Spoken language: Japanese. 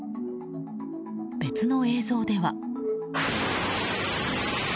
別の映像では。